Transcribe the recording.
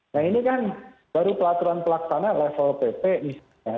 nah ini kan baru peraturan pelaksana level pp misalnya